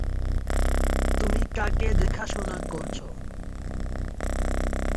তুমি কাকে দেখাশোনা করছ?